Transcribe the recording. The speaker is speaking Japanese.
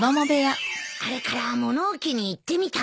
あれから物置に行ってみたんだ。